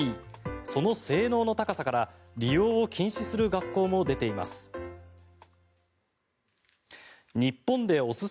その性能の高さから利用を禁止する学校も出ています。